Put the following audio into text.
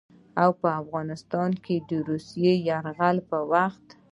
او په افغانستان د روسي يرغل په وخت